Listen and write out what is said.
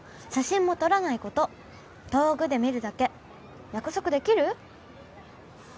写真も撮らないこと遠くで見るだけ約束できる？